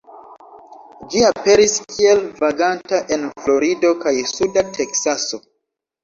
Ĝi aperis kiel vaganta en Florido kaj suda Teksaso.